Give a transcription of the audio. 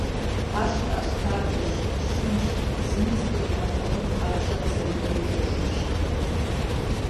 Ар щтэӏэщтаблэщ, щымщ, зыми зыкъримыгъэлъагъун папщӏэ къызэрыкӏуэри жэщущ.